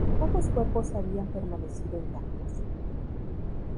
Pocos cuerpos habían permanecido intactos.